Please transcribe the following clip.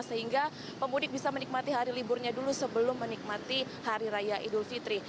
sehingga pemudik bisa menikmati hari liburnya dulu sebelum menikmati hari raya idul fitri